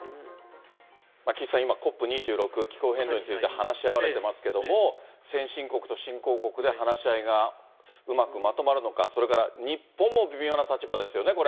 岸さん、今、ＣＯＰ２６、気候変動について話し合われてますけども、先進国と新興国で話し合いがうまくまとまるのか、それから、日本も微妙な立場ですよね、これ。